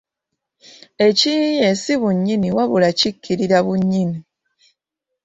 Ekiyiiye si bunnyini wabula kikiikirira bunnyini